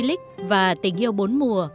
lịch và tình yêu bốn mùa